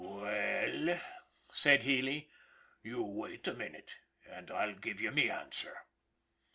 " Well/' said Healy, " you wait a minute an' I'll give you me answer."